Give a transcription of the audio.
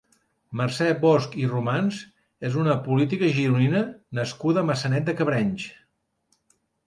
Mercè Bosch i Romans és una política gironina nascuda a Maçanet de Cabrenys.